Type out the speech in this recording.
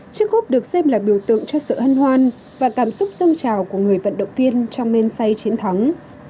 chiếc hốp được xem là biểu tượng cho sự hân hoan và cảm xúc dâng trào của người vận động viên trong men say chiến thắng